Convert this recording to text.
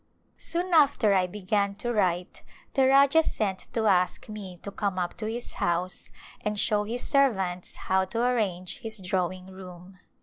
Soon after I began to write the Rajah sent to ask me to come up to his house and show his servants how to arrange his drawing room.